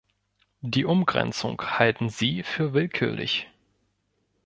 Die Umgrenzung halten sie für willkürlich.